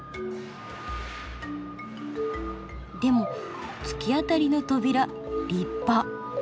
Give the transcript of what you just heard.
でも突き当たりの扉立派。